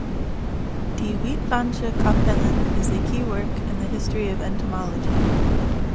"De Uitlandsche Kapellen" is a key work in the history of entomology.